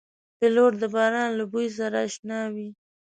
پیلوټ د باران له بوی سره اشنا وي.